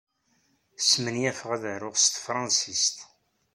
Smenyafeɣ ad aruɣ s tefṛensist.